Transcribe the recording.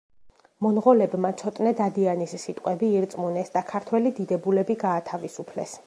მონღოლებმა ცოტნე დადიანის სიტყვები ირწმუნეს და ქართველი დიდებულები გაათავისუფლეს.